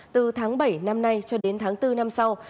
từ tháng bảy năm nay cho đến tháng bốn năm sau